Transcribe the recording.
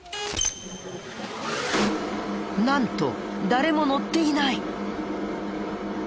なんと誰も乗っていない。